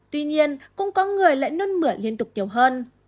tuy nhiên cũng có người lại nôn mửa liên tục nhiều hơn